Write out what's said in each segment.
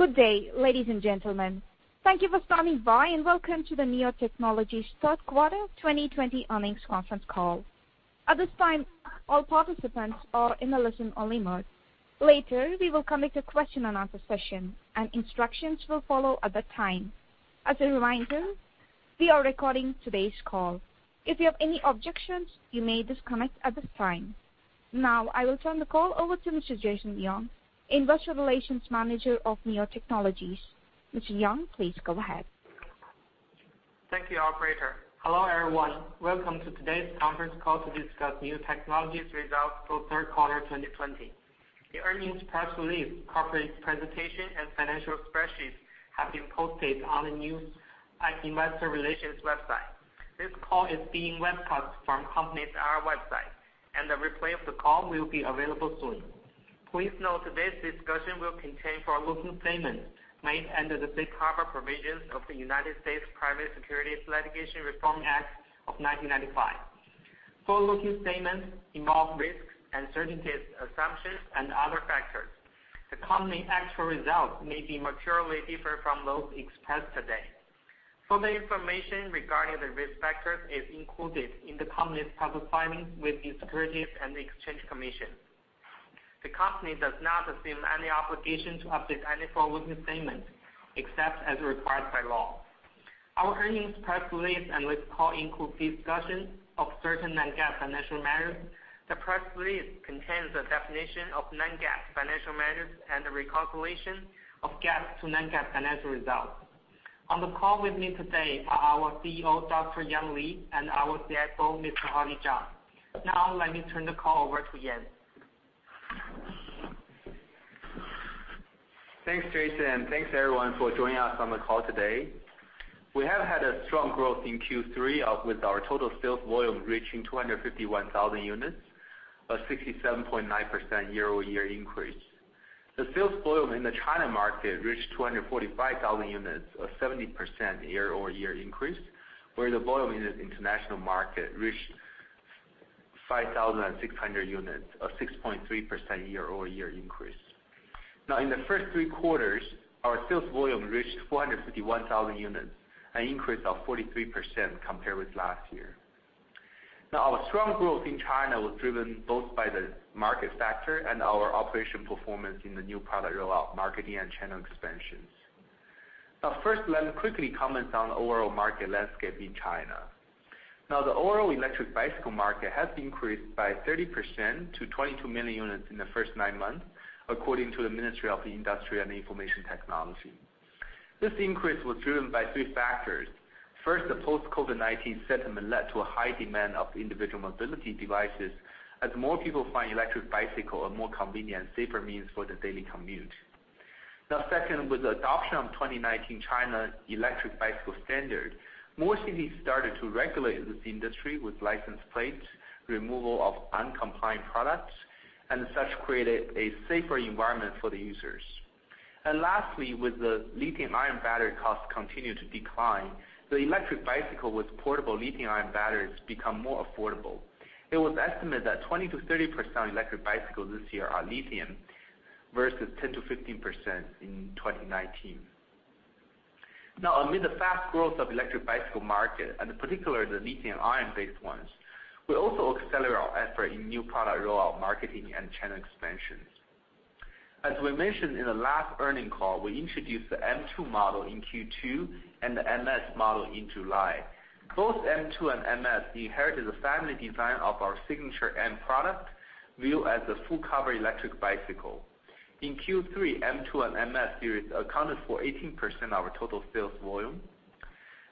Good day, ladies and gentlemen. Thank you for standing by, and welcome to the Niu Technologies third quarter 2020 earnings conference call. At this time, all participants are in a listen-only mode. Later, we will conduct a question and answer session, and instructions will follow at that time. As a reminder, we are recording today's call. If you have any objections, you may disconnect at this time. Now, I will turn the call over to Mr. Jason Yang, Investor Relations Manager of Niu Technologies. Mr. Yang, please go ahead. Thank you, operator. Hello, everyone. Welcome to today's conference call to discuss Niu Technologies results for third quarter 2020. The earnings press release, corporate presentation, and financial spreadsheets have been posted on the Niu investor relations website. This call is being webcast from the company's IR website, and the replay of the call will be available soon. Please note today's discussion will contain forward-looking statements made under the safe harbor provisions of the United States Private Securities Litigation Reform Act of 1995. Forward-looking statements involve risks, uncertainties, assumptions, and other factors. The company's actual results may materially differ from those expressed today. Full information regarding the risk factors is included in the company's public filings with the Securities and Exchange Commission. The company does not assume any obligation to update any forward-looking statements except as required by law. Our earnings press release and this call include discussion of certain non-GAAP financial measures. The press release contains a definition of non-GAAP financial measures and a reconciliation of GAAP to non-GAAP financial results. On the call with me today are our CEO, Dr. Yan Li, and our CFO, Mr. Hardy Zhang. Now, let me turn the call over to Yan. Thanks, Jason. Thanks, everyone, for joining us on the call today. We have had a strong growth in Q3 with our total sales volume reaching 251,000 units, a 67.9% year-over-year increase. The sales volume in the China market reached 245,000 units, a 70% year-over-year increase. Whereas the volume in the international market reached 5,600 units, a 6.3% year-over-year increase. In the first three quarters, our sales volume reached 451,000 units, an increase of 43% compared with last year. Our strong growth in China was driven both by the market factor and our operation performance in the new product rollout, marketing, and channel expansions. First, let me quickly comment on the overall market landscape in China. The overall electric bicycle market has increased by 30% to 22 million units in the first nine months, according to the Ministry of Industry and Information Technology. This increase was driven by three factors. First, the post-COVID-19 sentiment led to a high demand of individual mobility devices as more people find electric bicycle a more convenient, safer means for their daily commute. Second, with the adoption of 2019 China electric bicycle standard, more cities started to regulate this industry with license plates, removal of uncompliant products, and such created a safer environment for the users. Lastly, with the lithium-ion battery costs continue to decline, the electric bicycle with portable lithium-ion batteries become more affordable. It was estimated that 20%-30% of electric bicycles this year are lithium, versus 10%-15% in 2019. Amid the fast growth of electric bicycle market, and in particular, the lithium-ion-based ones, we also accelerate our effort in new product rollout marketing and channel expansions. As we mentioned in the last earning call, we introduced the M2 model in Q2 and the MQis model in July. Both M2 and MQis inherited the family design of our signature M product, viewed as a full-cover electric bicycle. In Q3, M2 and MQis series accounted for 18% of our total sales volume.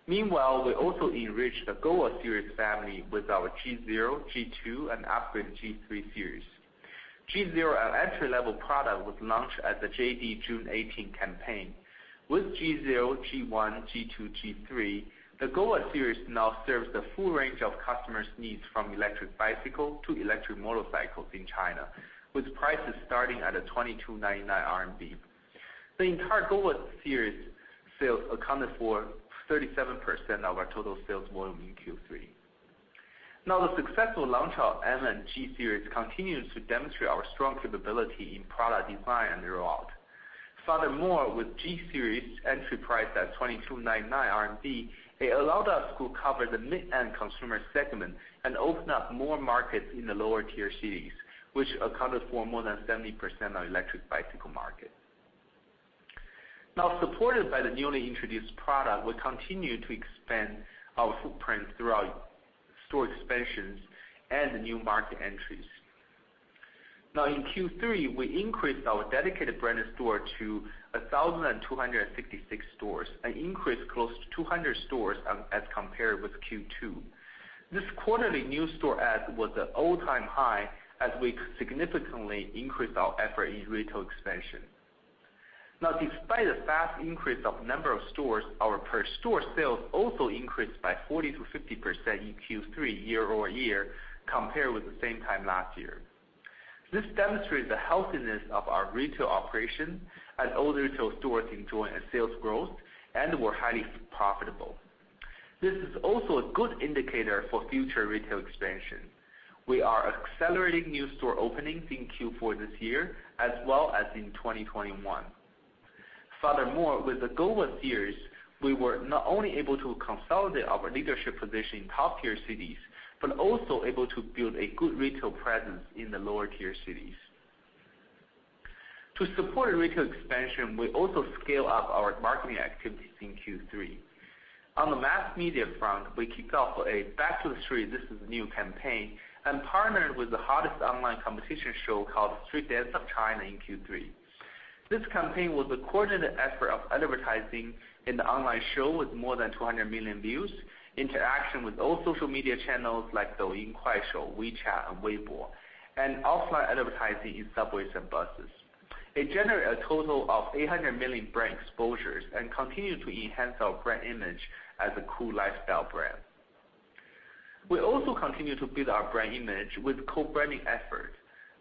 Meanwhile, we also enriched the Gova series family with our G0, G2, and upgraded G3 series. G0, an entry-level product, was launched at the JD June 18 campaign. With G0, G1, G2, G3, the Gova series now serves the full range of customers' needs from electric bicycle to electric motorcycles in China, with prices starting at 2,299 RMB. The entire Gova series sales accounted for 37% of our total sales volume in Q3. Now, the successful launch of M and G series continues to demonstrate our strong capability in product design and rollout. Furthermore, with G series entry price at 2,299 RMB, it allowed us to cover the mid-end consumer segment and open up more markets in the lower tier cities, which accounted for more than 70% of electric bicycle market. Supported by the newly introduced product, we continue to expand our footprint through our store expansions and the new market entries. In Q3, we increased our dedicated branded store to 1,266 stores, an increase close to 200 stores as compared with Q2. This quarterly new store add was an all-time high, as we significantly increased our effort in retail expansion. Despite the fast increase of number of stores, our per store sales also increased by 40%-50% in Q3 year-over-year compared with the same time last year. This demonstrates the healthiness of our retail operation, as older retail stores enjoyed a sales growth and were highly profitable. This is also a good indicator for future retail expansion. We are accelerating new store openings in Q4 this year, as well as in 2021. Furthermore, with the GOVA series, we were not only able to consolidate our leadership position in top-tier cities, but also able to build a good retail presence in the lower-tier cities. To support retail expansion, we also scale up our marketing activities in Q3. On the mass media front, we kicked off a Back to the Street, This is New campaign and partnered with the hottest online competition show called Street Dance of China in Q3. This campaign was a coordinated effort of advertising in the online show with more than 200 million views, interaction with all social media channels like Douyin, Kuaishou, WeChat, and Weibo, and offline advertising in subways and buses. It generated a total of 800 million brand exposures and continued to enhance our brand image as a cool lifestyle brand. We also continue to build our brand image with co-branding efforts.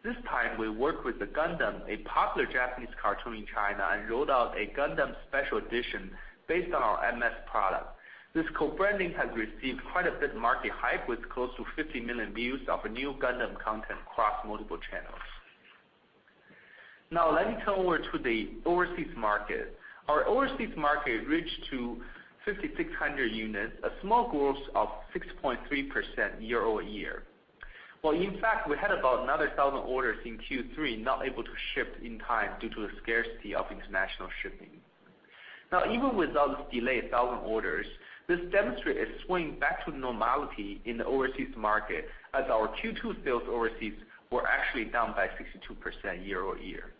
This time, we worked with Gundam, a popular Japanese cartoon in China, and rolled out a Gundam special edition based on our MS product. This co-branding has received quite a bit of market hype with close to 50 million views of new Gundam content across multiple channels. Now, let me turn over to the overseas market. Our overseas market reached 5,600 units, a small growth of 6.3% year-over-year. In fact, we had about another 1,000 orders in Q3 not able to ship in time due to the scarcity of international shipping. Even with all this delayed 1,000 orders, this demonstrates a swing back to normality in the overseas market as our Q2 sales overseas were actually down by 62% year-over-year.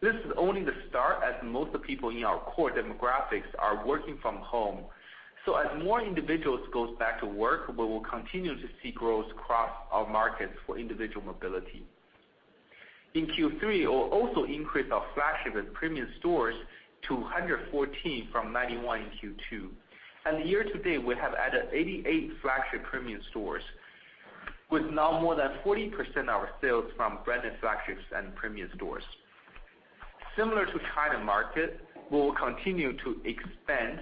This is only the start as most of the people in our core demographics are working from home. As more individuals go back to work, we will continue to see growth across our markets for individual mobility. In Q3, we also increased our flagship and premium stores to 114 from 91 in Q2. Year-to-date, we have added 88 flagship premium stores, with now more than 40% of our sales from branded flagships and premium stores. Similar to the China market, we will continue to expand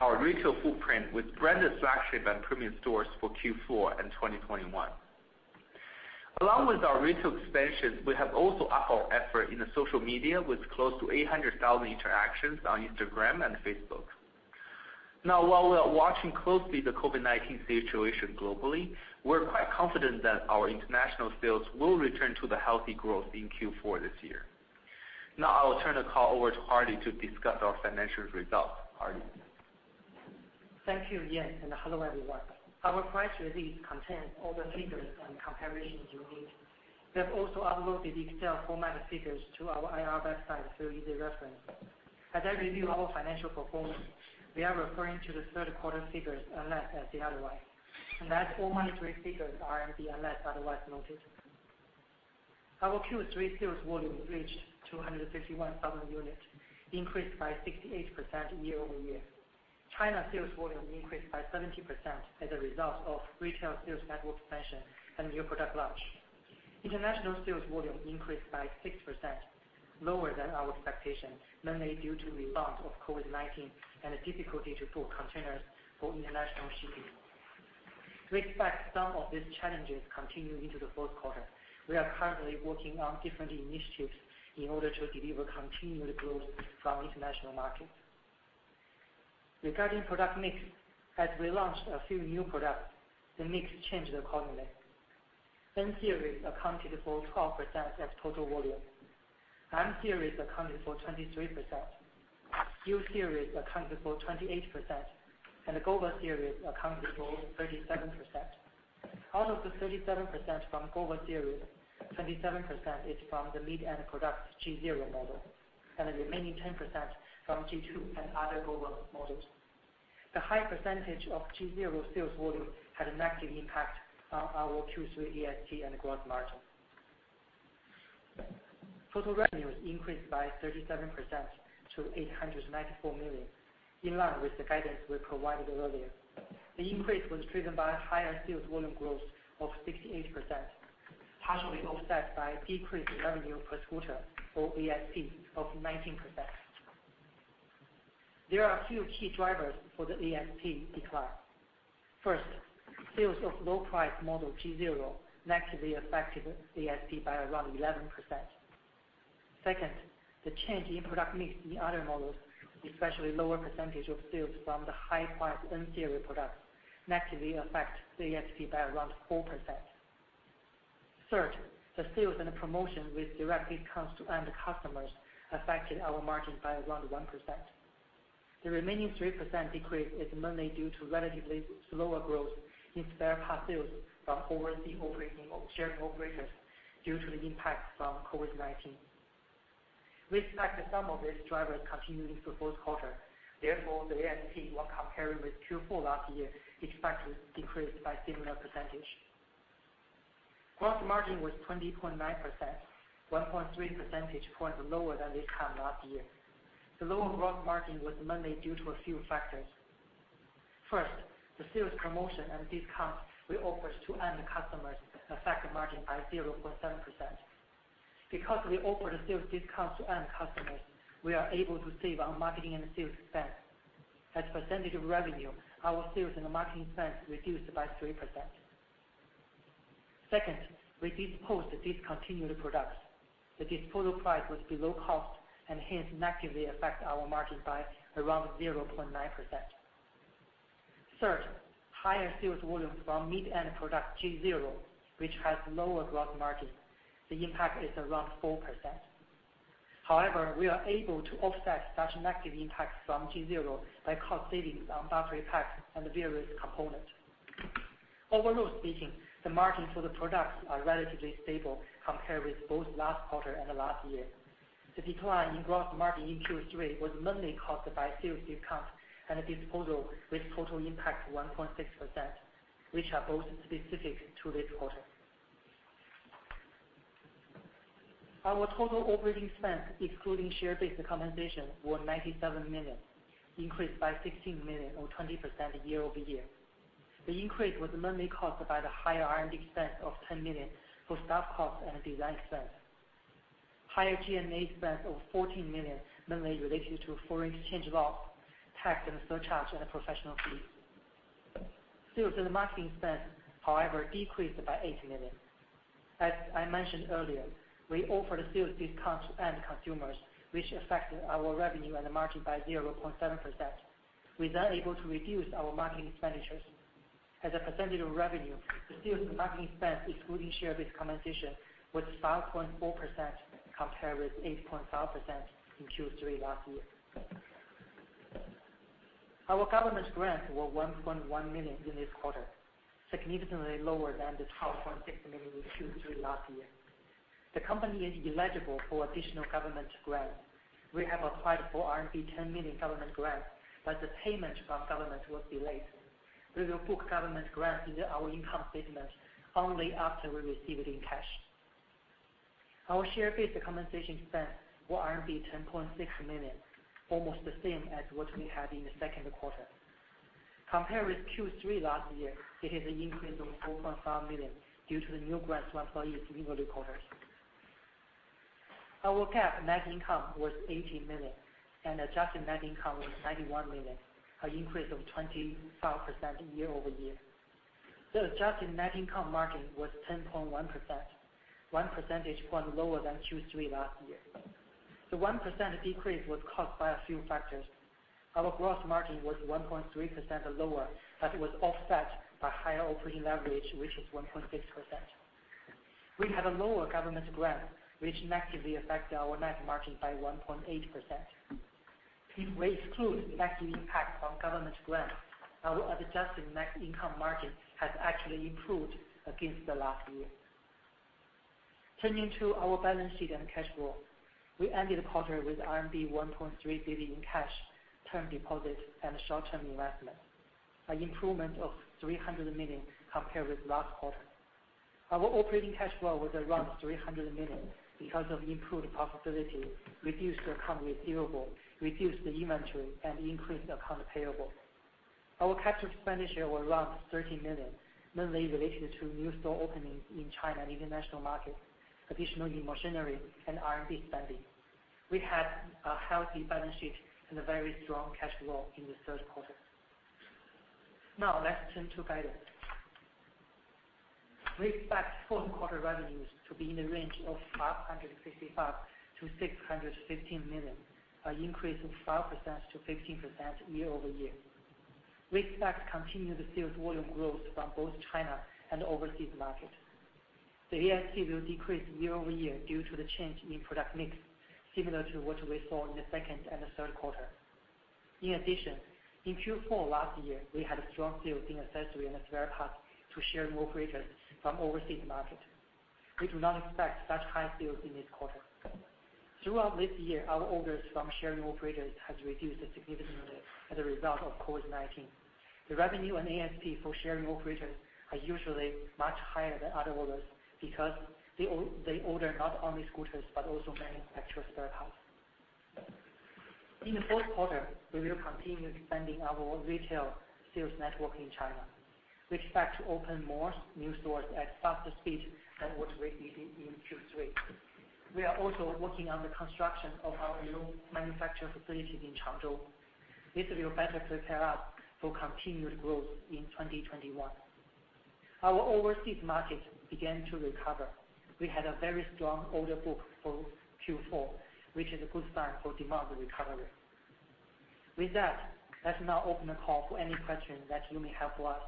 our retail footprint with branded flagship and premium stores for Q4 and 2021. Along with our retail expansion, we have also upped our effort in social media with close to 800,000 interactions on Instagram and Facebook. Now, while we are watching closely the COVID-19 situation globally, we're quite confident that our international sales will return to healthy growth in Q4 this year. Now I will turn the call over to Hardy to discuss our financial results. Hardy? Thank you, Yan, and hello, everyone. Our press release contains all the figures and comparisons you need. We have also uploaded the Excel format of figures to our IR website for easy reference. As I review our financial performance, we are referring to the third quarter figures unless stated otherwise. That all monetary figures are in RMB unless otherwise noted. Our Q3 sales volume reached 251,000 units, increased by 68% year-over-year. China sales volume increased by 70% as a result of retail sales network expansion and new product launch. International sales volume increased by 6%, lower than our expectation, mainly due to the rebound of COVID-19 and the difficulty to book containers for international shipping. We expect some of these challenges to continue into the fourth quarter. We are currently working on different initiatives in order to deliver continued growth from international markets. Regarding product mix, as we launched a few new products, the mix changed accordingly. N-Series accounted for 12% of total volume. M-Series accounted for 23%. U-Series accounted for 28%, and the Gova series accounted for 37%. Out of the 37% from the Gova series, 27% is from the mid-end product G0 model, and the remaining 10% from G2 and other Gova models. The high percentage of G0 sales volume had a negative impact on our Q3 ASP and gross margin. Total revenues increased by 37% to 894 million, in line with the guidance we provided earlier. The increase was driven by higher sales volume growth of 68%, partially offset by decreased revenue per scooter or ASP of 19%. There are a few key drivers for the ASP decline. First, sales of low-price model G0 negatively affected ASP by around 11%. Second, the change in product mix in other models, especially lower percentage of sales from the high-priced N-Series products, negatively affect ASP by around 4%. Third, the sales and promotion with direct discounts to end customers affected our margin by around 1%. The remaining 3% decrease is mainly due to relatively slower growth in spare part sales from overseas sharing operators due to the impact from COVID-19. We expect some of these drivers to continue into the fourth quarter. Therefore, the ASP when comparing with Q4 last year is expected to decrease by a similar percentage. Gross margin was 20.9%, 1.3 percentage points lower than this time last year. The lower gross margin was mainly due to a few factors. First, the sales promotion and discounts we offered to end customers affected margin by 0.7%. Because we offer the sales discounts to end customers, we are able to save on marketing and sales spend. As a percentage of revenue, our sales and marketing spend reduced by 3%. Second, we disposed of discontinued products. The disposal price was below cost and hence negatively affect our margin by around 0.9%. Third, higher sales volumes from mid-end product G0, which has lower gross margin. The impact is around 4%. However, we are able to offset such negative impacts from G0 by cost savings on battery packs and various components. Overall speaking, the margin for the products are relatively stable compared with both last quarter and the last year. The decline in gross margin in Q3 was mainly caused by sales discounts and a disposal with total impact 1.6%, which are both specific to this quarter. Our total operating expense, excluding share-based compensation, was 97 million, increased by 16 million or 20% year-over-year. The increase was mainly caused by the higher R&D expense of 10 million for staff cost and design expense. Higher G&A expense of 14 million mainly related to foreign exchange loss, tax and surcharge, and professional fees. Sales and marketing expense, however, decreased by 8 million. As I mentioned earlier, we offered a sales discount to end consumers, which affected our revenue and margin by 0.7%. We were then able to reduce our marketing expenditures. As a percentage of revenue, the sales and marketing expense, excluding share-based compensation, was 5.4% compared with 8.5% in Q3 last year. Our government grants were 1.1 million in this quarter, significantly lower than the 12.6 million in Q3 last year. The company is eligible for additional government grants. We have applied for RMB 10 million government grants. The payment from government was delayed. We will book government grants into our income statement only after we receive it in cash. Our share-based compensation expense was RMB 10.6 million, almost the same as what we had in the second quarter. Compared with Q3 last year, it is an increase of 4.5 million due to the new grants to employees in earlier quarters. Our GAAP net income was 18 million and adjusted net income was 91 million, an increase of 25% year-over-year. The adjusted net income margin was 10.1%, one percentage point lower than Q3 last year. The 1% decrease was caused by a few factors. Our gross margin was 1.3% lower. It was offset by higher operating leverage, which is 1.6%. We had a lower government grant, which negatively affected our net margin by 1.8%. If we exclude negative impact from government grants, our adjusted net income margin has actually improved against the last year. Turning to our balance sheet and cash flow. We ended the quarter with RMB 1.3 billion in cash, term deposits, and short-term investments, an improvement of 300 million compared with last quarter. Our operating cash flow was around 300 million because of improved profitability, reduced account receivables, reduced inventory, and increased account payables. Our CapEx was around 30 million, mainly related to new store openings in China and international markets, additional machinery, and R&D spending. We had a healthy balance sheet and a very strong cash flow in the third quarter. Let's turn to guidance. We expect fourth quarter revenues to be in the range of 555 million-615 million, an increase of 5% to 15% year-over-year. We expect continued sales volume growth from both China and overseas markets. The ASP will decrease year-over-year due to the change in product mix, similar to what we saw in the second and third quarter. In addition, in Q4 last year, we had strong sales in accessories and spare parts to sharing operators from overseas markets. We do not expect such high sales in this quarter. Throughout this year, our orders from sharing operators has reduced significantly as a result of COVID-19. The revenue and ASP for sharing operators are usually much higher than other orders because they order not only scooters but also manufacture spare parts. In the fourth quarter, we will continue expanding our retail sales network in China. We expect to open more new stores at faster speed than what we did in Q3. We are also working on the construction of our new manufacturing facility in Changzhou. This will better prepare us for continued growth in 2021. Our overseas market began to recover. We had a very strong order book for Q4, which is a good sign for demand recovery. With that, let's now open the call for any questions that you may have for us.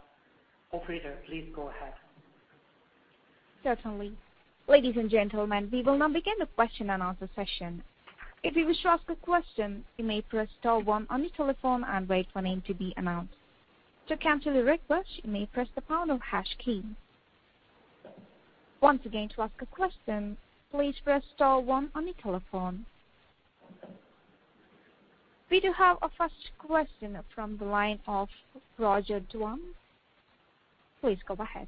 Operator, please go ahead. Certainly. Ladies and gentlemen, we will now begin the question and answer session. If you wish to ask a question, you may press star one on your telephone and wait for your name to be announced. To cancel your request, you may press the pound or hash key. Once again, to ask a question, please press star one on your telephone. We do have a first question from the line of Roger Duan. Please go ahead.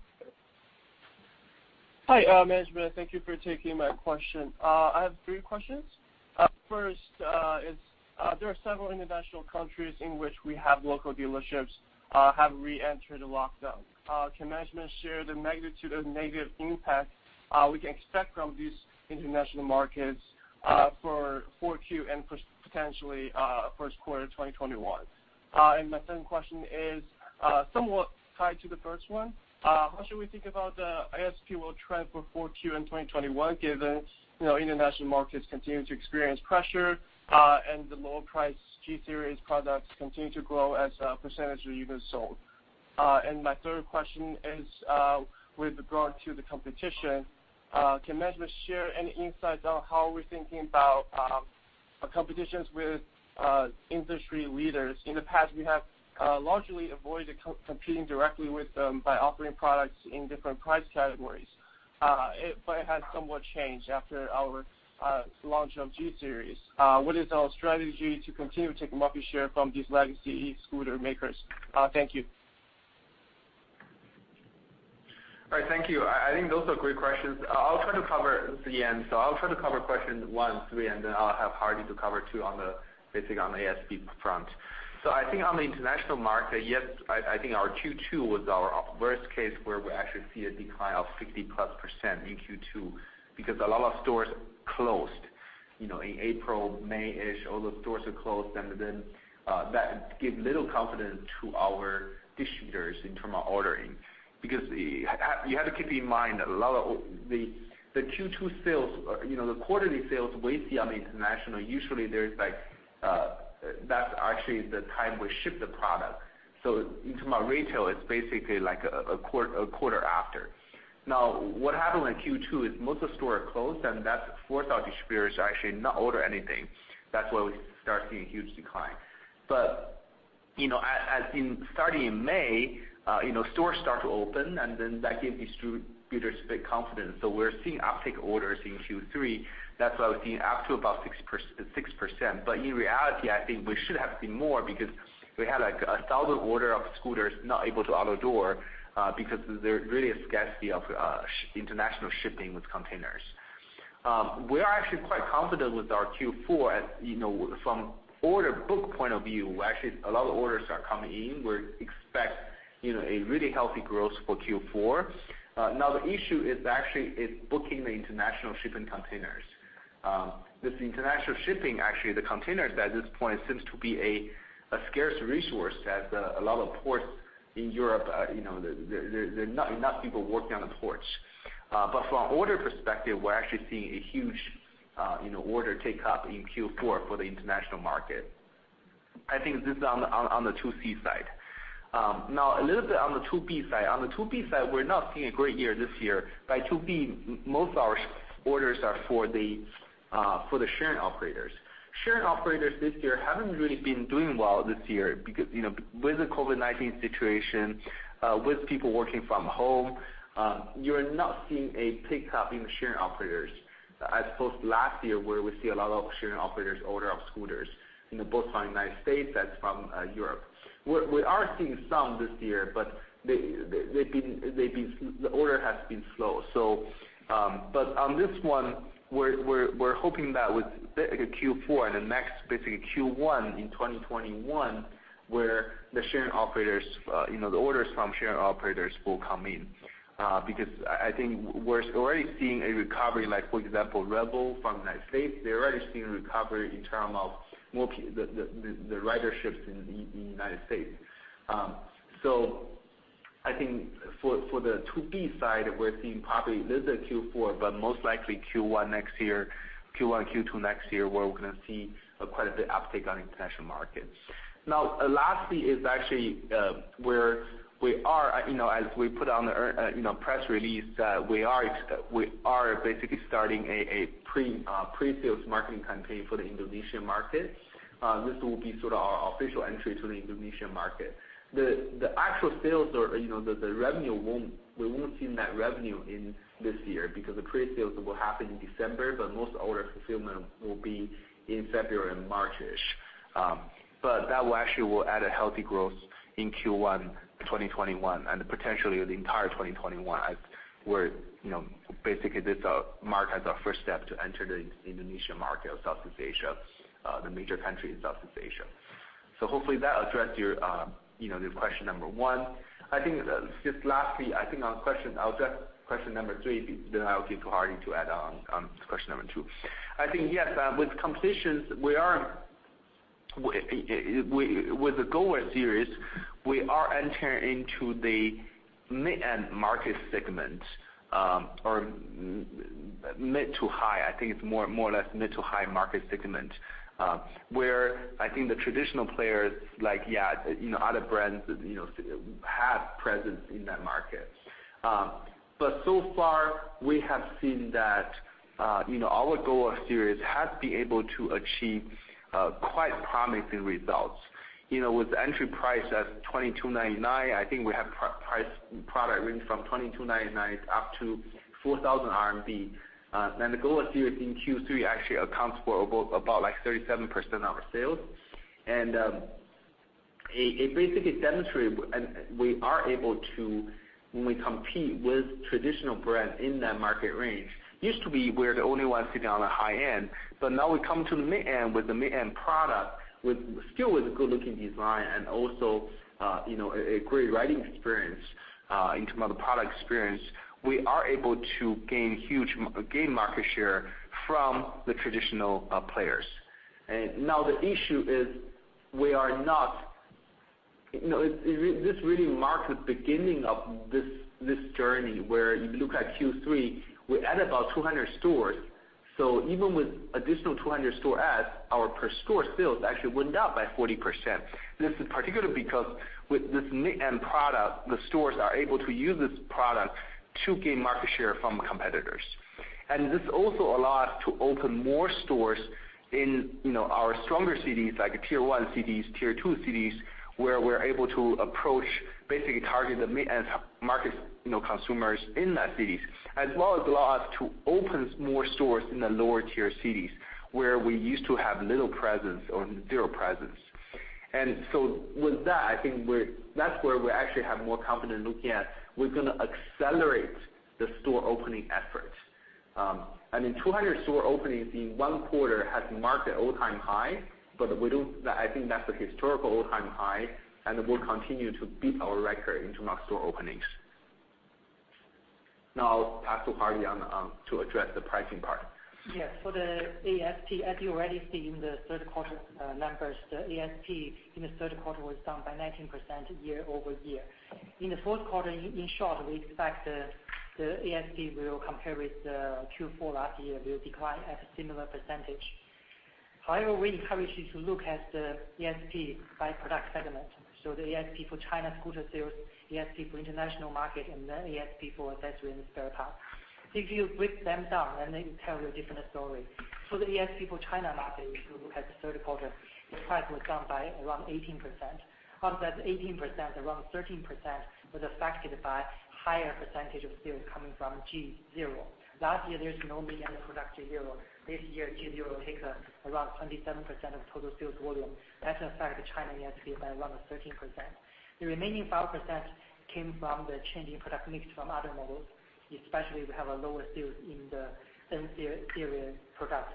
Hi, management. Thank you for taking my question. I have three questions. First, there are several international countries in which we have local dealerships, have reentered a lockdown. Can management share the magnitude of negative impact we can expect from these international markets for 4Q and potentially first quarter 2021? My second question is somewhat tied to the first one. How should we think about the ASP will trend for 4Q in 2021, given international markets continue to experience pressure, and the lower price G series products continue to grow as a percentage of units sold? My third question is with regard to the competition. Can management share any insights on how we're thinking about competitions with industry leaders? In the past, we have largely avoided competing directly with them by offering products in different price categories. It has somewhat changed after our launch of G series. What is our strategy to continue to take market share from these legacy scooter makers? Thank you. All right. Thank you. I think those are great questions. I'll try to cover the end. I'll try to cover question one, three, and then I'll have Hardy to cover two on the basic ASP front. I think on the international market, yes, I think our Q2 was our worst case, where we actually see a decline of 60+% in Q2 because a lot of stores closed. In April, May-ish, all the stores are closed, and then that give little confidence to our distributors in term of ordering. You have to keep in mind, the Q2 sales, the quarterly sales we see on the international, usually that's actually the time we ship the product. In term of retail, it's basically like a quarter after. Now, what happened in Q2 is most of store are closed, and that forced our distributors to actually not order anything. That's why we start seeing a huge decline. As in starting in May, stores start to open, and then that gave distributors big confidence. We're seeing uptick orders in Q3. That's why we're seeing up to about 6%, but in reality, I think we should have seen more because we had 1,000 order of scooters not able to outdoor, because there's really a scarcity of international shipping with containers. We are actually quite confident with our Q4. From order book point of view, actually, a lot of orders are coming in. We expect a really healthy growth for Q4. The issue is actually is booking the international shipping containers. This international shipping, actually, the containers at this point seems to be a scarce resource as a lot of ports in Europe, there are not enough people working on the ports. From order perspective, we're actually seeing a huge order tick-up in Q4 for the international market. I think this is on the 2C side. Now, a little bit on the 2B side. On the 2B side, we're not seeing a great year this year. By 2B, most our orders are for the sharing operators. Sharing operators this year haven't really been doing well this year because, with the COVID-19 situation, with people working from home, you're not seeing a tick-up in the sharing operators, as opposed to last year, where we see a lot of sharing operators order of scooters, both from U.S. and from Europe. We are seeing some this year, but the order has been slow. On this one, we're hoping that with Q4 and then next, basically Q1 in 2021, where the orders from sharing operators will come in. I think we're already seeing a recovery, like for example, Revel from the U.S. They're already seeing recovery in term of the riderships in the U.S. I think for the 2B side, we're seeing probably little bit Q4, but most likely Q1, Q2 next year, where we're going to see quite a bit uptick on international markets. Lastly is actually where we are, as we put on press release, we are basically starting a pre-sales marketing campaign for the Indonesian market. This will be sort of our official entry to the Indonesian market. The actual sales or the revenue, we won't see that revenue in this year because the pre-sales will happen in December, but most order fulfillment will be in February and March-ish. That actually will add a healthy growth in Q1 2021, and potentially the entire 2021. Basically, this mark as our first step to enter the Indonesia market of Southeast Asia, the major country in Southeast Asia. Hopefully that address your question number one. Lastly, I'll address question number three, I'll give to Hardy to add on to question number two. Yes, with competitions, with the Gova series, we are entering into the mid-end market segment, or mid to high. It's more or less mid to high market segment, where the traditional players, like other brands, have presence in that market. So far, we have seen that our Gova series has been able to achieve quite promising results. With the entry price at 2,299, we have priced product range from 2,299 up to 4,000 RMB. The Gova series in Q3 actually accounts for about 37% of our sales. It basically demonstrated that we are able to compete with traditional brands in that market range. It used to be we were the only ones sitting on the high end, but now we've come to the mid end with a mid-end product, still with a good-looking design and also a great riding experience in terms of the product experience. We are able to gain market share from the traditional players. This really marks the beginning of this journey, where you look at Q3, we added about 200 stores. Even with an additional 200 store adds, our per-store sales actually went up by 40%. This is particularly because with this mid-end product, the stores are able to use this product to gain market share from competitors. This also allows us to open more stores in our stronger cities, like tier one cities, tier two cities, where we're able to approach, basically target the mid-end market consumers in that cities, as well as allow us to open more stores in the lower tier cities, where we used to have little presence or zero presence. With that, I think that's where we actually have more confidence looking at we're going to accelerate the store opening efforts. 200 store openings in one quarter has marked an all-time high, but I think that's the historical all-time high, and we'll continue to beat our record in terms of store openings. I'll pass to Hardy to address the pricing part. Yes. For the ASP, as you already see in the third quarter numbers, the ASP in the third quarter was down by 19% year-over-year. In the fourth quarter, in short, we expect the ASP compared with Q4 last year, will decline at a similar percentage. However, we encourage you to look at the ASP by product segment. The ASP for China scooter sales, ASP for international market, and then ASP for accessory and spare parts. If you break them down, then they tell you a different story. For the ASP for China market, if you look at the third quarter, the price was down by around 18%. Of that 18%, around 13% was affected by a higher percentage of sales coming from G0. Last year, there was no mid-end product G0. This year, G0 takes around 27% of total sales volume. That affects China ASP by around 13%. The remaining 5% came from the changing product mix from other models. Especially, we have a lower sales in the NQi series product.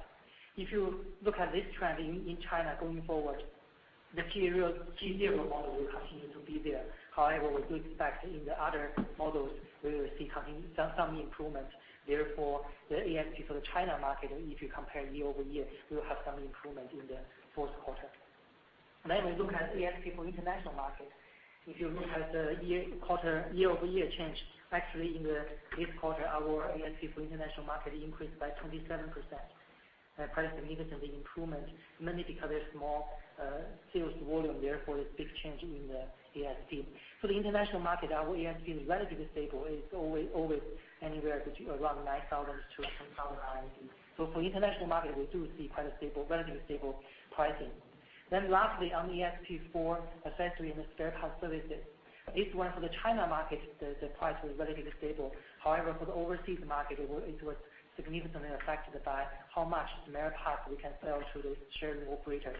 If you look at this trend in China going forward, the G0 model will continue to be there. However, we do expect in the other models, we will see some improvement. Therefore, the ASP for the China market, if you compare year-over-year, will have some improvement in the fourth quarter. We look at ASP for international market. If you look at the year-over-year change, actually, in this quarter, our ASP for international market increased by 27%, a quite significant improvement, mainly because there's more sales volume, therefore, a big change in the ASP. For the international market, our ASP is relatively stable. It's always anywhere between around 9,000-10,000 RMB. For international market, we do see quite a relatively stable pricing. Lastly, on the ASP for accessory and spare part services. This one for the China market, the price was relatively stable. For the overseas market, it was significantly affected by how much spare parts we can sell to the sharing operators.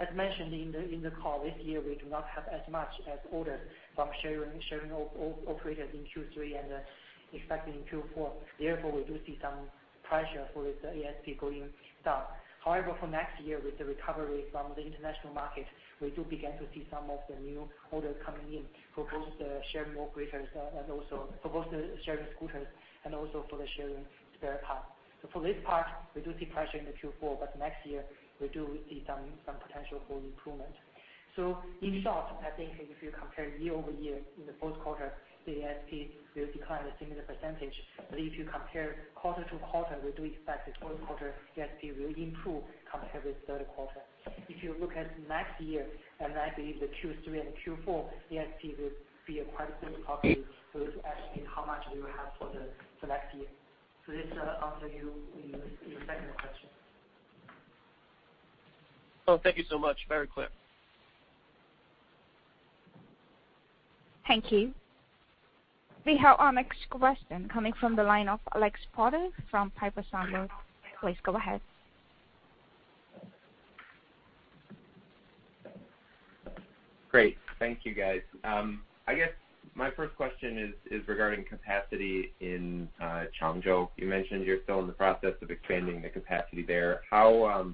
As mentioned in the call, this year, we do not have as much orders from sharing operators in Q3 and expected in Q4. We do see some pressure for the ASP going down. For next year, with the recovery from the international market, we do begin to see some of the new orders coming in for both the sharing operators and also for both the sharing scooters and also for the sharing spare parts. For this part, we do see pressure in the Q4, but next year we do see some potential for improvement. In short, I think if you compare year-over-year in the fourth quarter, the ASP will decline a similar percentage. If you compare quarter-to-quarter, we do expect the fourth quarter ASP will improve compared with the third quarter. If you look at next year, that is the Q3 and Q4, ASP will be quite stable for us to estimate how much we will have for the select year. This answers your second question. Thank you so much. Very clear. Thank you. We have our next question coming from the line of Alex Potter from Piper Sandler. Please go ahead. Great. Thank you, guys. I guess my first question is regarding capacity in Changzhou. You mentioned you're still in the process of expanding the capacity there. I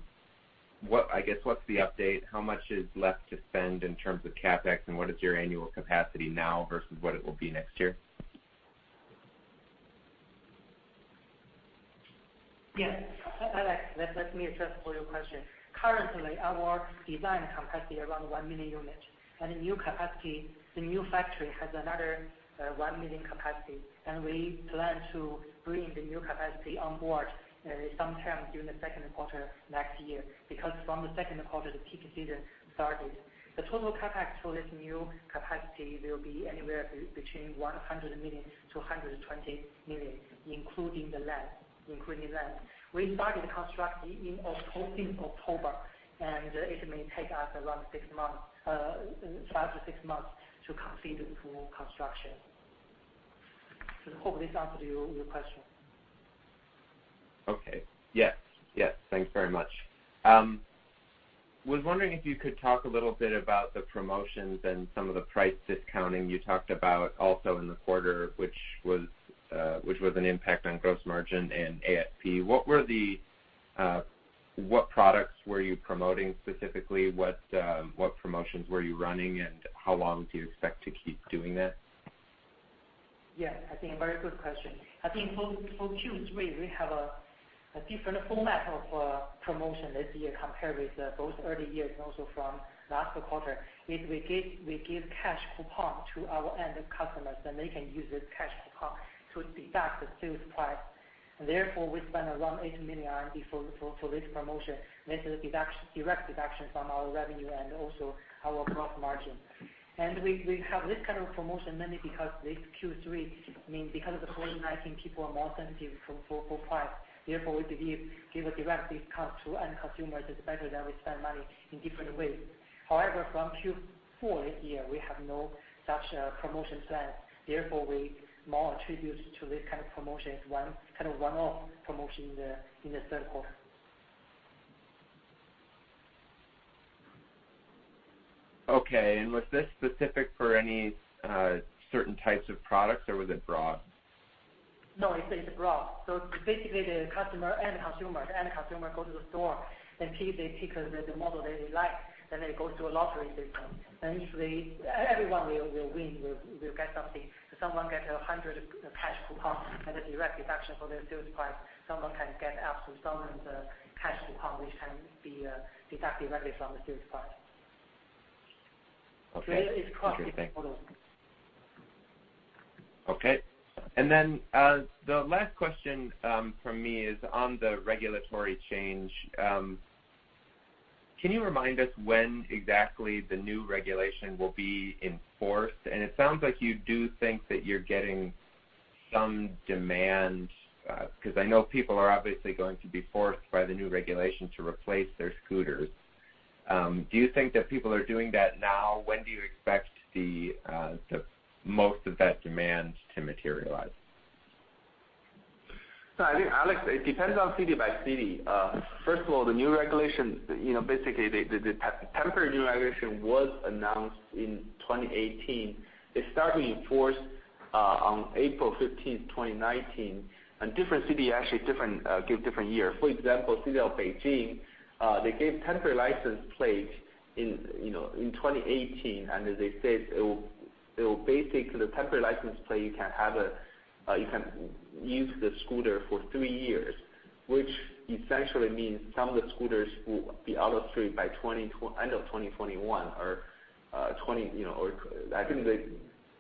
guess what's the update? How much is left to spend in terms of CapEx, and what is your annual capacity now versus what it will be next year? Yes. Alex, let me address your question. Currently, our design capacity is around 1 million units, and the new factory has another 1 million capacity, and we plan to bring the new capacity on board sometime during the second quarter next year. From the second quarter, the peak season starts. The total CapEx for this new capacity will be anywhere between 100 million-120 million, including the land. We started construction in October, and it may take us around 5-6 months to complete the full construction. I hope this answered your question. Okay. Yes. Thanks very much. Was wondering if you could talk a little bit about the promotions and some of the price discounting you talked about also in the quarter, which was an impact on gross margin and ASP. What products were you promoting specifically? What promotions were you running, and how long do you expect to keep doing that? Yes, I think a very good question. For Q3, we have a different format of promotion this year compared with both early years and also from last quarter. We give cash coupon to our end customers, then they can use this cash coupon to deduct the sales price. Therefore, we spend around 8 million for this promotion. This is a direct deduction from our revenue and also our gross margin. We have this kind of promotion mainly because this Q3, because of the COVID-19, people are more sensitive for price. Therefore, we believe give a direct discount to end consumers is better than we spend money in different ways. However, from Q4 this year, we have no such promotion plan. Therefore, we more attribute to this kind of promotion as one kind of one-off promotion in the third quarter. Okay. Was this specific for any certain types of products, or was it broad? No, it's broad. Basically, the end consumer go to the store and they pick the model they like, then they go through a lottery system. Everyone will win, will get something. Someone get 100 cash coupon and a direct deduction for their sales price. Someone can get up to 700 cash coupon, which can be deduct directly from the sales price. Okay. It's cross the model. Okay. The last question from me is on the regulatory change. Can you remind us when exactly the new regulation will be in force? It sounds like you do think that you're getting some demand, because I know people are obviously going to be forced by the new regulation to replace their scooters. Do you think that people are doing that now? When do you expect the most of that demand to materialize? I think, Alex, it depends on city by city. First of all, the new regulation, basically, the temporary new regulation was announced in 2018. It start to be in force on April 15th, 2019, different city actually give different year. For example, city of Beijing, they gave temporary license plate in 2018, as they said, basically, the temporary license plate, you can use the scooter for three years, which essentially means some of the scooters will be out of street by end of 2021 or I think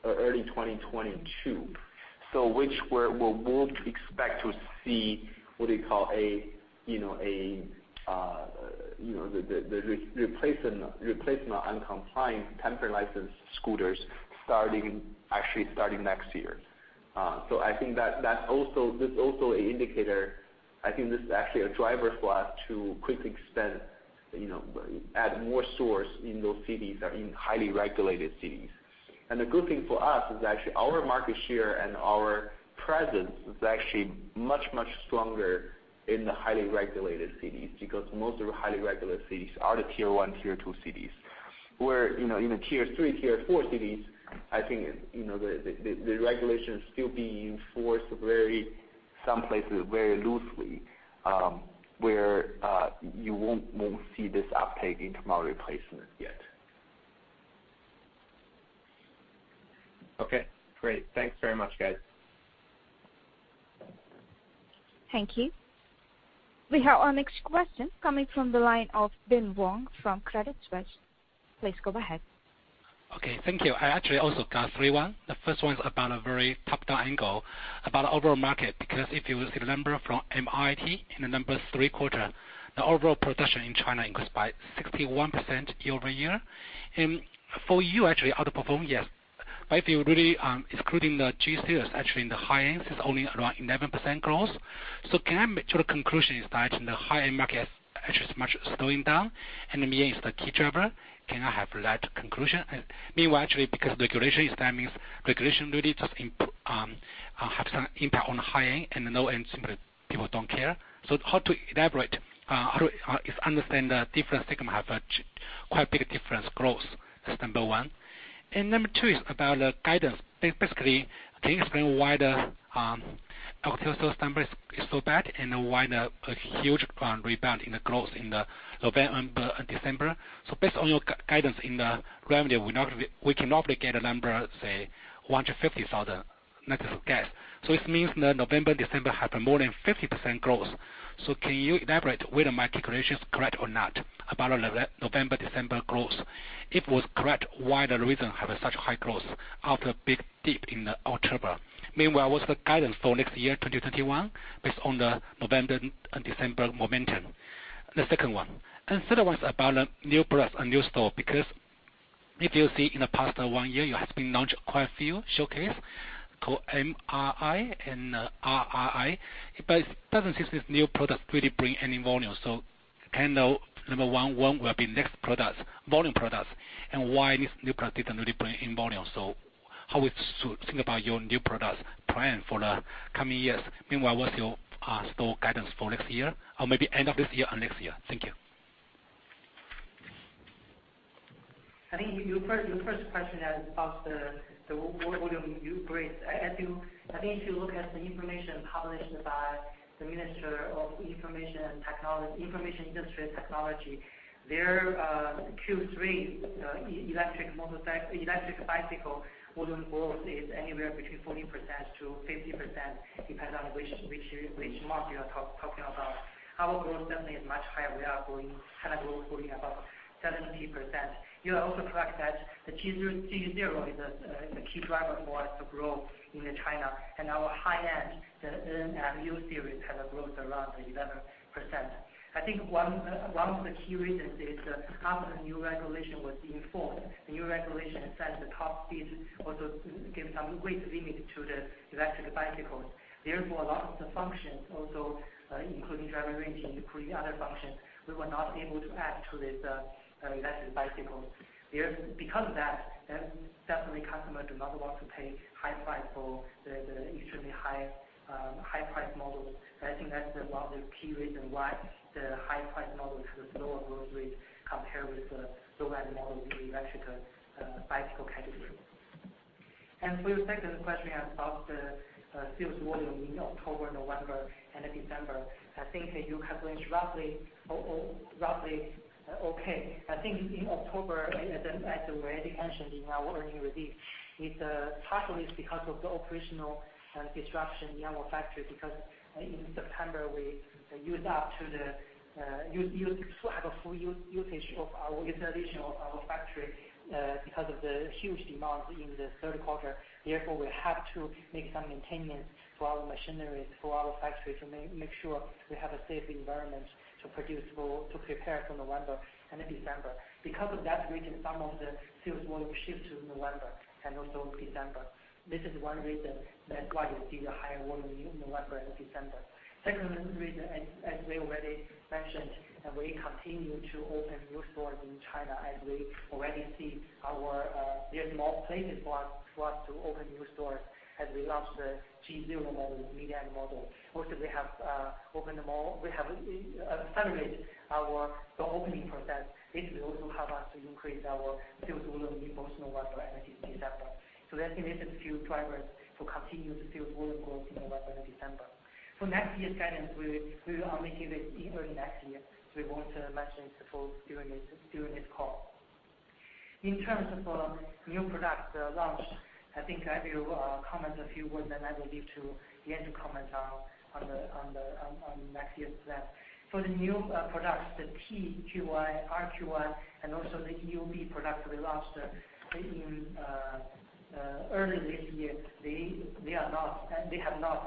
early 2022. Which we would expect to see, what they call the replacement on compliant temporary license scooters actually starting next year. I think that's also an indicator. I think this is actually a driver for us to quickly add more stores in those cities or in highly regulated cities. The good thing for us is actually our market share and our presence is actually much stronger in the highly regulated cities, because most of the highly regulated cities are the tier one, tier two cities. Where in the tier three, tier four cities, I think the regulation is still being enforced some places very loosely, where you won't see this uptake into model replacement yet. Okay, great. Thanks very much, guys. Thank you. We have our next question coming from the line of Bin Wang from Credit Suisse. Please go ahead. Okay. Thank you. I actually also got three one. The first one is about a very top-down angle about overall market, because if you see the number from MIIT in the number three quarter, the overall production in China increased by 61% year-over-year. For you actually outperform, yes. If you really excluding the G series, actually in the high-end, it's only around 11% growth. Can I make sure the conclusion is that in the high-end market, actually is much slowing down and means the key driver cannot have that conclusion? Meanwhile, actually, because regulation is coming, regulation really does have some impact on high-end and the low-end simply people don't care. How to elaborate, if understand the different segment have a quite big difference growth? That's number one. Number two is about the guidance. Can you explain why the October number is so bad and why the huge rebound in the growth in November and December? Based on your guidance in the revenue, we can roughly get a number, say, 150,000 at a guess. It means November, December have more than 50% growth. Can you elaborate whether my calculation is correct or not about November, December growth? If it was correct, why the reason have such high growth after a big dip in October? Meanwhile, what's the guidance for next year, 2021, based on the November and December momentum? The second one. Third one is about new products and new store, because if you see in the past one year, you have been launched quite a few showcase called MRI and RRI, but it doesn't seem these new products really bring any volume. Kind of number 1, when will be next volume products, and why these new products didn't really bring in volume? How would you think about your new product plan for the coming years? Meanwhile, what's your store guidance for next year? Or maybe end of this year and next year? Thank you. I think your first question is about the volume you raised. I think if you look at the information published by the Ministry of Industry and Information Technology, their Q3 electric bicycle volume growth is anywhere between 40%-50%, depends on which market you are talking about. Our growth certainly is much higher. We are growing about 70%. You are also correct that the G0 is the key driver for us to grow in China, and our high-end, the N, M, and U series, has a growth around 11%. I think one of the key reasons is that after the new regulation was informed, the new regulation set the top speed, also gave some weight limit to the electric bicycles. Therefore, a lot of the functions, also including driver engine, including other functions, we were not able to add to these electric bicycles. Because of that, then certainly customers do not want to pay high price for the extremely high-priced models. I think that's one of the key reasons why the high-priced models have slower growth rates compared with the low-end models in the electric bicycle category. And for your second question about the sales volume in October, November, and December, I think that you have been roughly okay. I think in October, as we already mentioned in our earning release, it partly is because of the operational disruption in our factory because in September, we used to have a full usage of our installation of our factory because of the huge demand in the third quarter. Therefore, we have to make some maintenance to our machineries, to our factories, and make sure we have a safe environment to produce for, to prepare for November and December. Of that reason, some of the sales volume shift to November and also December. This is one reason that's why you see the higher volume in November and December. Second reason, as we already mentioned, we continue to open new stores in China as we already see there's more places for us to open new stores as we launch the G0 model, median model. We have accelerated our opening process. This will also help us to increase our sales volume in both November and December. These are a few drivers to continue the sales volume growth in November and December. For next year's guidance, we will only give it early next year. We won't mention it during this call. In terms of new product launch, I think I will comment a few words, then I will leave to Yan to comment on next year's plan. For the new products, the TQi, RQi, and also the EUB product we launched earlier this year, they have not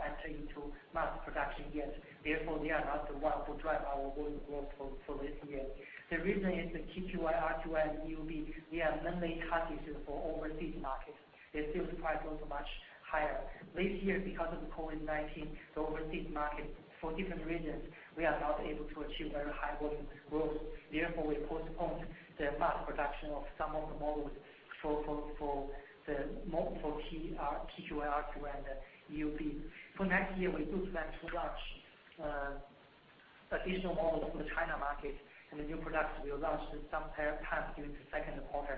entered into mass production yet. They are not the one to drive our volume growth for this year. The reason is the TQi, RQi, and EUB, they are mainly targeted for overseas markets. Their sales price was much higher. This year, because of the COVID-19, the overseas market, for different reasons, we are not able to achieve very high volume growth. We postponed the mass production of some of the models for TQi, RQi, and EUB. For next year, we do plan to launch additional models for the China market, and the new products will launch sometime during the second quarter.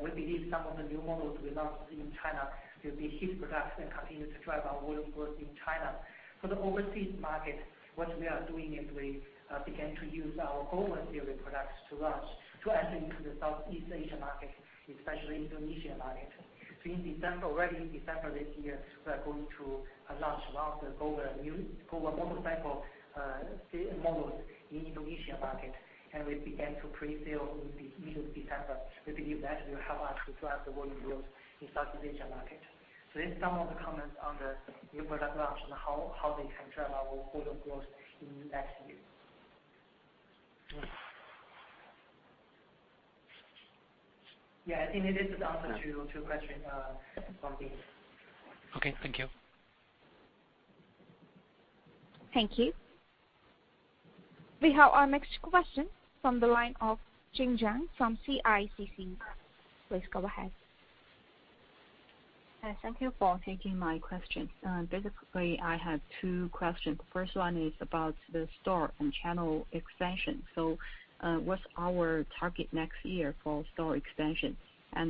We believe some of the new models we launch in China will be hit products and continue to drive our volume growth in China. For the overseas market, what we are doing is we began to use our Gova series products to enter into the Southeast Asia market, especially Indonesian market. In December, already in December this year, we are going to launch a lot of the Gova motorcycle series models in Indonesian market, and we began to pre-sale in the middle of December. We believe that will help us to drive the volume growth in Southeast Asia market. These are some of the comments on the new product launch and how they can drive our volume growth in next year. I think this is the answer to your question, Bin. Okay. Thank you. Thank you. We have our next question from the line of Jing Chang from CICC. Please go ahead. Thank you for taking my question. Basically, I have two questions. First one is about the store and channel expansion. What's our target next year for store expansion?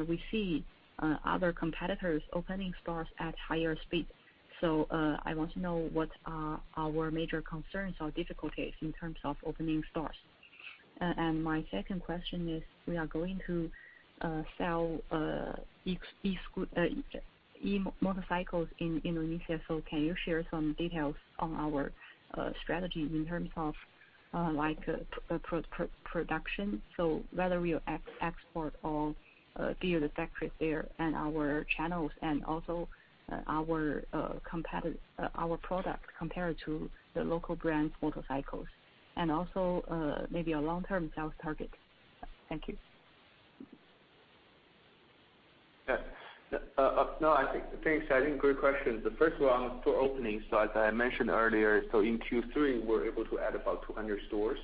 We see other competitors opening stores at higher speed. I want to know what are our major concerns or difficulties in terms of opening stores. My second question is, we are going to sell e-motorcycles in Indonesia. Can you share some details on our strategy in terms of production? Whether we export or build factories there, and our channels, and also our product compared to the local brand motorcycles, and also maybe a long-term sales target. Thank you. Thanks. I think great questions. The first one for opening. As I mentioned earlier, in Q3, we were able to add about 200 stores.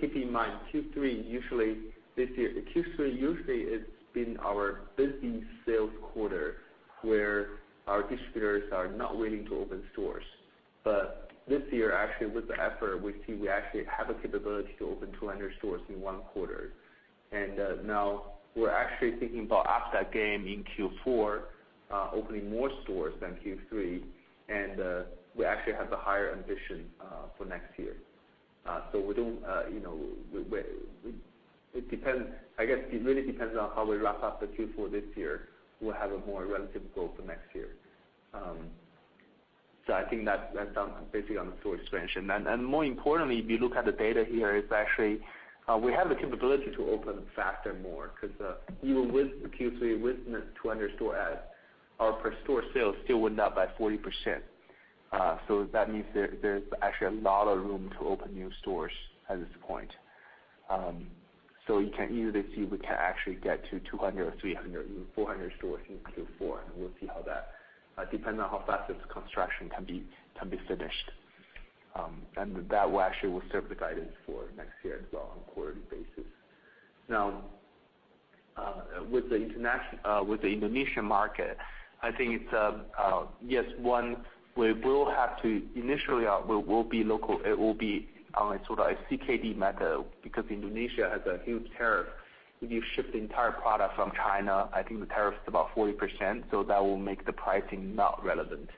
Keeping in mind, Q3 usually it's been our busy sales quarter, where our distributors are not waiting to open stores. This year, actually, with the effort, we see we actually have a capability to open 200 stores in one quarter. Now we're actually thinking about after that game in Q4, opening more stores than Q3, and we actually have the higher ambition for next year. I guess it really depends on how we wrap up the Q4 this year. We'll have a more relative goal for next year. I think that's basically on the store expansion. More importantly, if you look at the data here, we have the capability to open faster, more, because even with Q3, with 200 store adds, our per store sales still went up by 40%. That means there's actually a lot of room to open new stores at this point. You can either see if we can actually get to 200 or 300 or 400 stores in Q4, and we'll see how that depends on how fast this construction can be finished. That actually will serve the guidance for next year as well on a quarterly basis. Now, with the Indonesian market, I think it's, yes, one, initially, it will be sort of a CKD method because Indonesia has a huge tariff. If you ship the entire product from China, I think the tariff is about 40%, so that will make the pricing not relevant.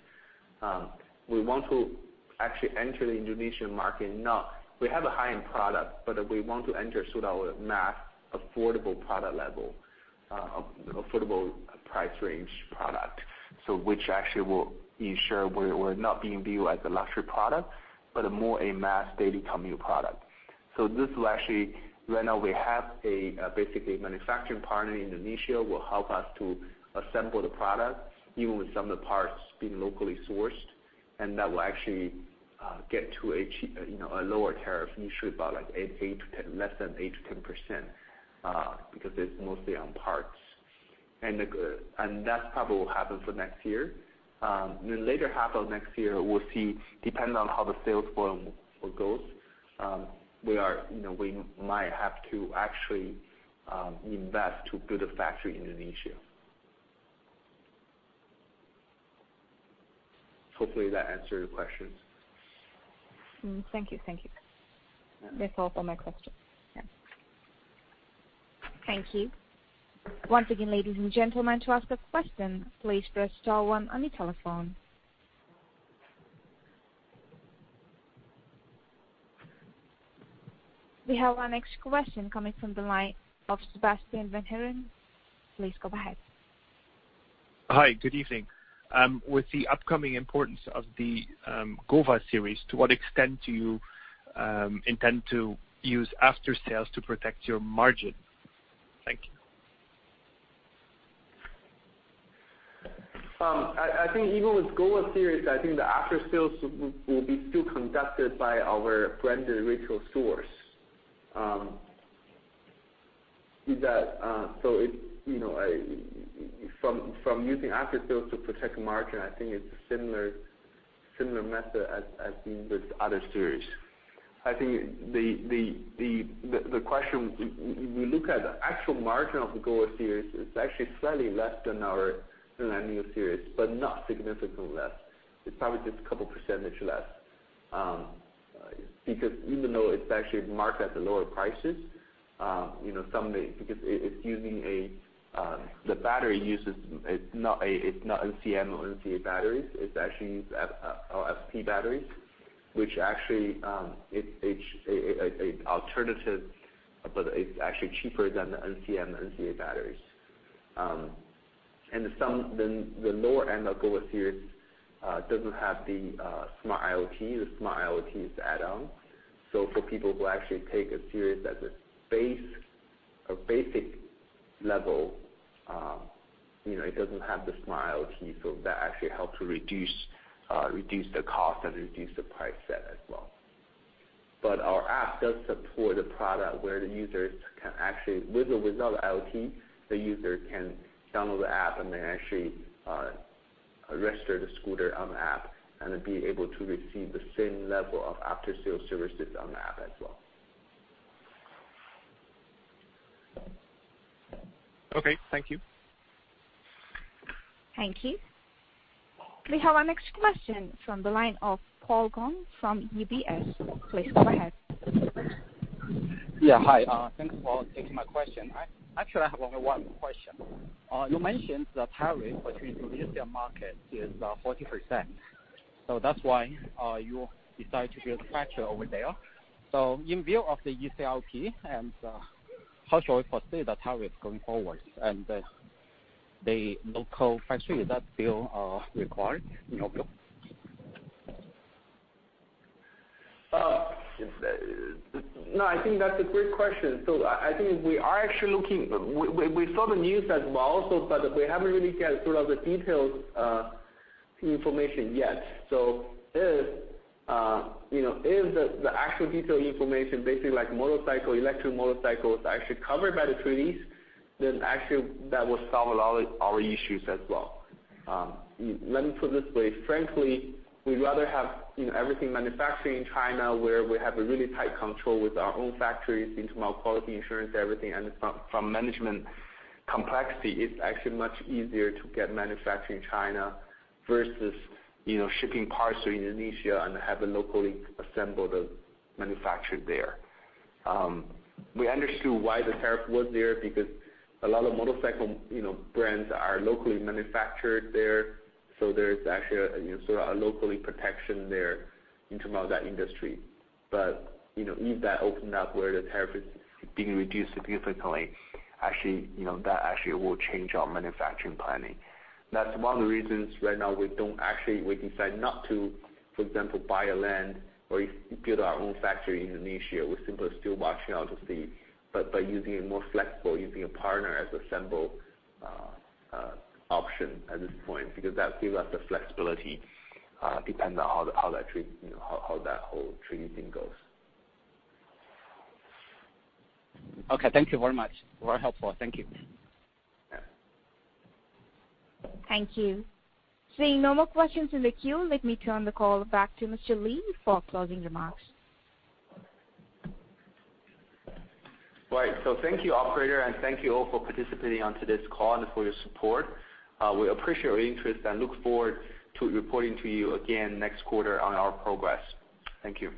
We want to actually enter the Indonesian market now. We have a high-end product, we want to enter sort of our mass affordable product level, affordable price range product. Which actually will ensure we're not being viewed as a luxury product, but a more mass daily commute product. Right now, we have basically a manufacturing partner in Indonesia who will help us to assemble the product, even with some of the parts being locally sourced, and that will actually get to a lower tariff, initially less than 8%-10%, because it's mostly on parts. That probably will happen for next year. Later half of next year, we'll see, depending on how the sales volume will go. We might have to actually invest to build a factory in Indonesia. Hopefully that answered your questions. Thank you. That's all for my questions. Yeah. Thank you. Once again ladies and gentlemen to ask a question please press star on the telephone. We have our next question coming from the line of Sebastian Van Hellen. Please go ahead. Hi, good evening. With the upcoming importance of the Gova series, to what extent do you intend to use after sales to protect your margin? Thank you. I think even with Gova series, I think the after sales will be still conducted by our branded retail stores. From using after sales to protect margin, I think it's a similar method as in with other series. I think the question, if we look at the actual margin of the Gova series, it's actually slightly less than our premium series, but not significantly less. It's probably just a couple of percentage less. Because even though it's actually marked at the lower prices, the battery it's not NCM or NCA batteries. It's actually LFP batteries, which actually is a alternative, but it's actually cheaper than the NCM, NCA batteries. And the lower end of Gova series doesn't have the smart IoT. The smart IoT is add-on. For people who actually take a series at the basic level, it doesn't have the smart IoT, so that actually helps to reduce the cost and reduce the price set as well. Our app does support a product where the users can actually, with or without IoT, the user can download the app and they actually register the scooter on the app and then be able to receive the same level of after-sale services on the app as well. Okay, thank you. Thank you. We have our next question from the line of Paul Gong from UBS. Please go ahead. Yeah, hi. Thanks for taking my question. Actually, I have only one question. You mentioned the tariff between Indonesia market is 40%. That's why you decide to build a factory over there. In view of the RCEP, how should we foresee that tariff going forward? The local factory, is that still required in your view? No, I think that's a great question. I think we saw the news as well, but we haven't really got sort of the detailed information yet. If the actual detailed information, basically like motorcycle, electric motorcycle is actually covered by the treaties, then actually that will solve a lot of our issues as well. Let me put it this way. Frankly, we'd rather have everything manufactured in China, where we have a really tight control with our own factories in terms of quality assurance, everything. From management complexity, it's actually much easier to get manufactured in China versus shipping parts to Indonesia and have it locally assembled or manufactured there. We understood why the tariff was there, because a lot of motorcycle brands are locally manufactured there, so there is actually a sort of locally protection there in terms of that industry. If that opened up where the tariff is being reduced significantly, that actually will change our manufacturing planning. That's one of the reasons right now we decide not to, for example, buy a land or build our own factory in Indonesia. We're simply still watching out to see. By using a more flexible, using a partner as assemble option at this point, because that gives us the flexibility depending on how that whole treaty thing goes. Okay. Thank you very much. Very helpful. Thank you. Thank you. Seeing no more questions in the queue, let me turn the call back to Mr. Li for closing remarks. Right. Thank you, operator, and thank you all for participating on today's call and for your support. We appreciate your interest and look forward to reporting to you again next quarter on our progress. Thank you.